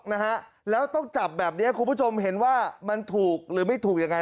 นะฮะแล้วต้องจับแบบเนี้ยคุณผู้ชมเห็นว่ามันถูกหรือไม่ถูกยังไง